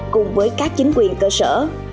cùng với các chính quyền cơ sở